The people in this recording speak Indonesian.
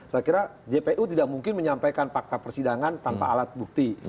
saya kira jpu tidak mungkin menyampaikan fakta persidangan tanpa alat bukti